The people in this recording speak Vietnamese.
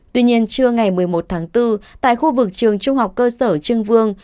tuy nhiên trưa ngày một mươi một tháng bốn tại khu vực trường trung học cơ sở trưng vương